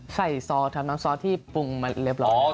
ใส่ซอสนะซอสที่ปรุงมาเรียบร้อย